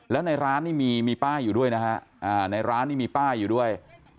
แล้วในร้านนี่มีป้ายอยู่ด้วยนะฮะในร้านนี่มีป้ายอยู่ด้วย